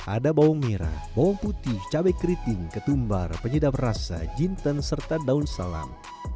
ada bawang merah bawang putih cabai keriting ketumbar penyedap rasa jinten serta daun salam